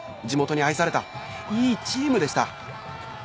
地元に愛されたいいチームでした。